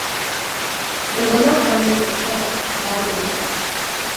ދެލޮލަށް ވަނީ އެފަދަ ބަރުވެފަ